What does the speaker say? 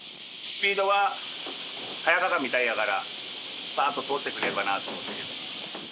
スピードは速かみたいやから、さーっと通ってくれればなと思って。